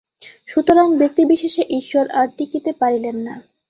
সুতরাং ব্যক্তিবিশেষ ঈশ্বর আর টিকিতে পারিলেন না।